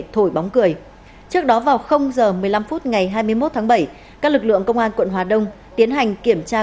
trước đó vào h một mươi năm phút ngày hai mươi một tháng bảy các lực lượng công an quận hà đông tiến hành kiểm tra